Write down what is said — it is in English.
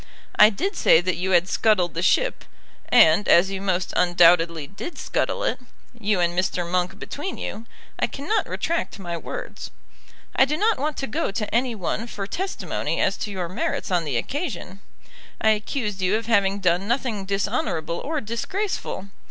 I did say that you had scuttled the ship; and as you most undoubtedly did scuttle it, you and Mr. Monk between you, I cannot retract my words. I do not want to go to any one for testimony as to your merits on the occasion. I accused you of having done nothing dishonourable or disgraceful.